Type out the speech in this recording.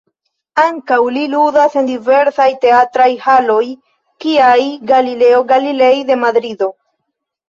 Ankaŭ li ludas en diversaj teatraj haloj kiaj Galileo Galilei de Madrido.